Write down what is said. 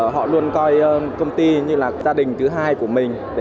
họ luôn coi công ty như là gia đình thứ hai của mình